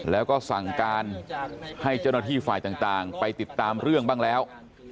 แล้วก็สั่งการให้เจ้าหน้าที่ฝ่ายต่างไปติดตามเรื่องบ้างแล้ว